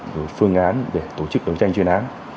rồi phương án để tổ chức đấu tranh chuyên án